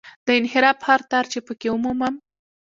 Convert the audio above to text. د انحراف هر تار چې په کې ومومم.